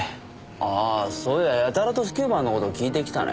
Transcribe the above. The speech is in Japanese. ああそういややたらとスキューバの事聞いてきたね。